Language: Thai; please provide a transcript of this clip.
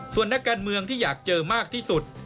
ส่วนนักการเมืองที่อยากเจอมากที่สุด